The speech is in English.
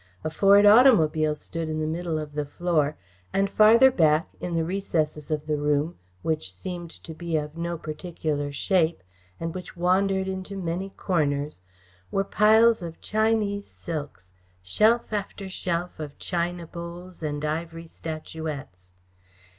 A Ford automobile stood in the middle of the floor, and, farther back, in the recesses of the room, which seemed to be of no particular shape, and which wandered into many corners, were piles of Chinese silks, shelf after shelf of china bowls and ivory statuettes.